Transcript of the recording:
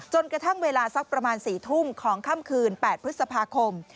กระทั่งเวลาสักประมาณ๔ทุ่มของค่ำคืน๘พฤษภาคม